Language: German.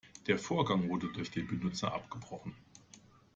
Der Vorgang wurde durch den Benutzer abgebrochen.